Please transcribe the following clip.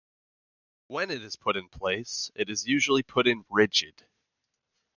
When it is put in place, it is usually put in rigid.